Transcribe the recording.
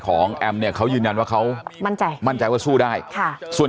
แอมเนี่ยเขายืนยันว่าเขามั่นใจมั่นใจว่าสู้ได้ค่ะส่วน